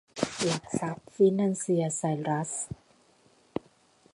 หลักทรัพย์ ฟินันเซีย ไซรัส